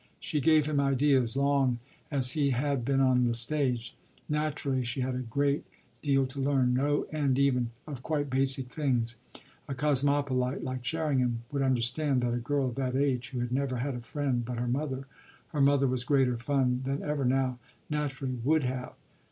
She gave him ideas, long as he had been on the stage. Naturally she had a great deal to learn, no end even of quite basic things; a cosmopolite like Sherringham would understand that a girl of that age, who had never had a friend but her mother her mother was greater fun than ever now naturally would have.